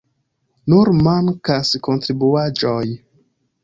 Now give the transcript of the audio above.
Nur mankas kontribuaĵoj.